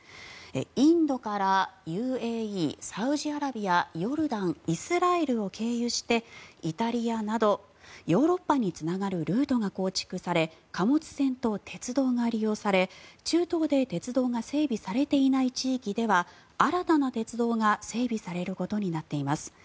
インドからＵＡＥ、サウジアラビアヨルダン、イスラエルを経由してイタリアなどヨーロッパにつながるルートが構築され貨物船と鉄道が利用され中東で鉄道が整備されていない地域では新たな鉄道が整備されることになっています。